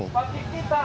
salah satu bank